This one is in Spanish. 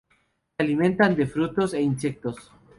Se alimentan de frutos e insectos.